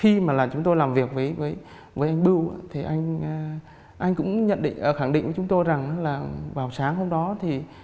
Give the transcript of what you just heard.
khi mà là chúng tôi làm việc với anh bưu thì anh cũng nhận khẳng định với chúng tôi rằng là vào sáng hôm đó thì